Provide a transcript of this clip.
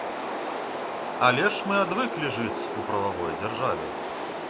Але ж мы адвыклі жыць у прававой дзяржаве.